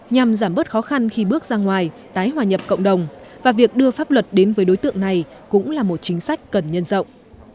nhằm giảm bớt khó khăn khi bước ra ngoài tái hòa nhập cộng đồng và việc đưa pháp luật đến với đối tượng này cũng là một chính sách cần nhân rộng